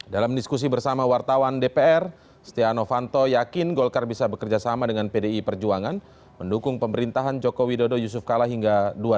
dalam diskusi bersama wartawan dpr setia novanto yakin golkar bisa bekerja sama dengan pdi perjuangan mendukung pemerintahan joko widodo yusuf kala hingga dua ribu dua puluh